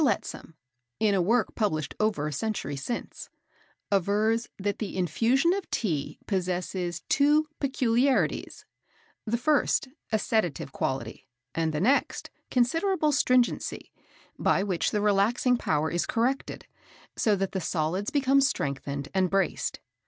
Lettsom, in a work published over a century since, avers that the infusion of Tea possesses two peculiarities; the first, a sedative quality, and the next, considerable stringency, by which the relaxing power is corrected so that the solids become strengthened and braced.